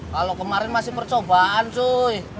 kalau kemarin masih percobaan sih